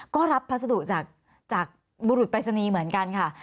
ก็รับภาษาดุจากบุรุษไปรษณีย์เหมือนกันค่ะ